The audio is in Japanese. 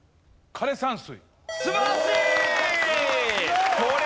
枯山水。